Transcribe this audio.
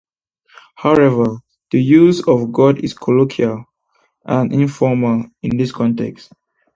However, the use of "got" is colloquial and informal in this context.